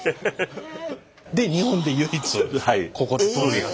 で日本で唯一ここで透明傘。